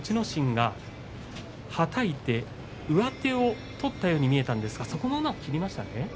心がはたいて上手を取ったように見えたんですが、そこもうまく切りましたね。